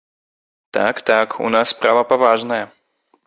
Так, так, у нас справа паважная.